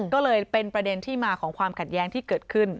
ก็เลยเป็นประเด็นที่มาของความขัดแย้งที่เกิดขึ้น